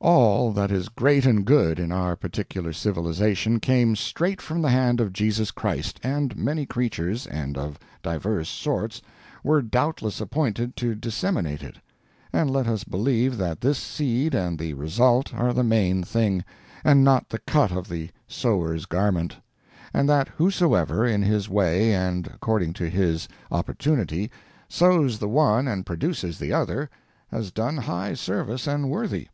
All that is great and good in our particular civilization came straight from the hand of Jesus Christ, and many creatures, and of divers sorts, were doubtless appointed to disseminate it; and let us believe that this seed and the result are the main thing, and not the cut of the sower's garment; and that whosoever, in his way and according to his opportunity, sows the one and produces the other, has done high service and worthy.